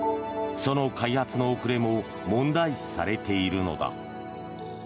その開発の遅れも問題視されているのだ。